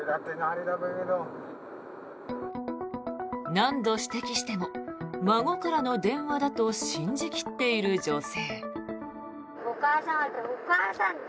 何度指摘しても孫からの電話だと信じ切っている女性。